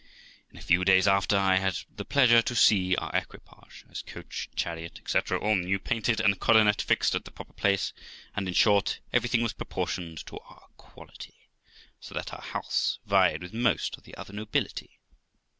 In a few days after, I had the pleasure to see our equipage, as coach, chariot, etc., all new painted, and a coronet fixed at the proper place, and, in short, everything was proportioned to our quality, so that our house vied with most of the other nobility.